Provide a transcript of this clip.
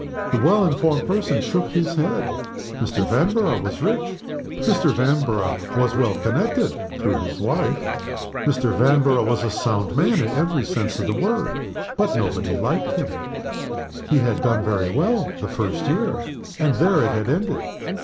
The well informed person shook his head. Mr. Vanborough was rich; Mr. Vanborough was well connected (through his wife); Mr. Van borough was a sound man in every sense of the word; but nobody liked him. He had done very well the first year, and there it had ended.